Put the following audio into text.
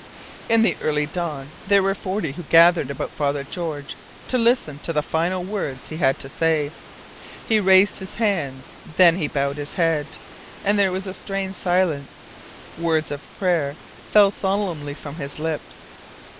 In the early dawn there were forty who gathered about Father George to listen to the final words he had to say. He raised his hands. Then he bowed his head, and there was a strange silence. Words of prayer fell solemnly from his lips.